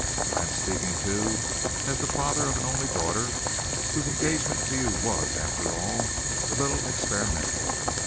I am speaking, too, as the father of an only daughter, whose engagement to you was, after all, a little experimental.